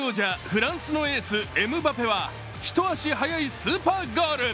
フランスのエムバペは一足早いスーパーゴール。